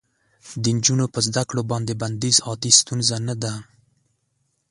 د نجونو په زده کړو باندې بندیز عادي ستونزه نه ده.